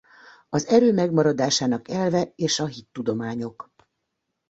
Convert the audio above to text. Az erő megmaradásának elve és a hittudományok.